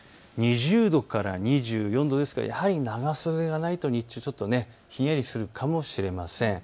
２０度から２４度ですが、やはり長袖がないと日中ちょっとひんやりするかもしれません。